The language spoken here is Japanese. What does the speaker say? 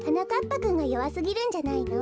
ぱくんがよわすぎるんじゃないの？